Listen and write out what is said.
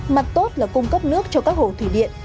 mặt tốt là cung cấp nước cho các hồ thủy điện